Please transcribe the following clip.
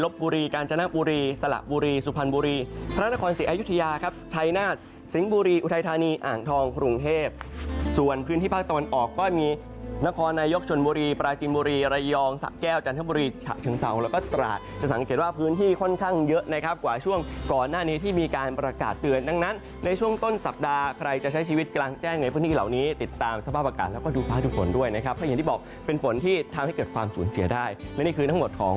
พรุงเทพส่วนพื้นที่ภาคตะวันออกก็มีนครนายกชนบุรีปราจินบุรีระยองสักแก้วจันทบุรีชะเชิงเศร้าแล้วก็ตราดจะสังเกตว่าพื้นที่ค่อนข้างเยอะนะครับกว่าช่วงก่อนหน้านี้ที่มีการประกาศเตือนดังนั้นในช่วงต้นสัปดาห์ใครจะใช้ชีวิตกลางแจ้งในพื้นที่เหล่านี้ติดตามสภาพอากาศแล้วก็